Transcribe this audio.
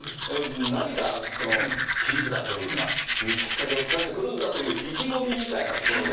何か切り札というか、きっかけをつかんでくるんだという意気込みみたいなところが。